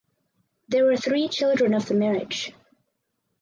There were three children of the marriage.